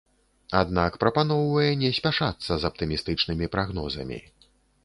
Аднак прапаноўвае не спяшацца з аптымістычнымі прагнозамі.